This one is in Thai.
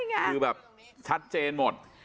คือแบบชัดเจนหมด